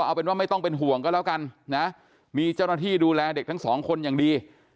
เอาเป็นว่าไม่ต้องเป็นห่วงก็แล้วกันนะมีเจ้าหน้าที่ดูแลเด็กทั้งสองคนอย่างดี